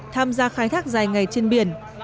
tham gia khai thác dài ngày trên biển